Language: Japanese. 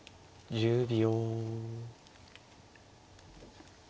１０秒。